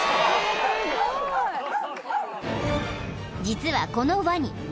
［実はこのワニ］